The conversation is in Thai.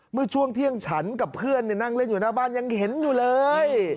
เมื่อช่วงเที่ยงฉันกับเพื่อนนั่งเล่นอยู่หน้าบ้านยังเห็นอยู่เลย